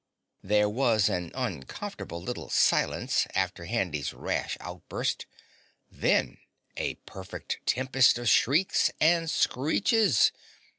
There was an uncomfortable little silence after Handy's rash outburst, then a perfect tempest of shrieks and screeches.